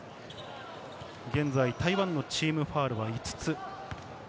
現在、台湾のチームファウルは５つ。